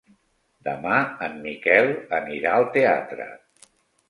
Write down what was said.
Demà en Miquel anirà al teatre.